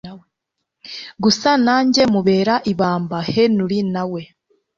gusa nanjye mubera ibamba Henry nawe